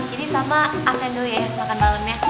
ini sama aksen dulu ya makan malamnya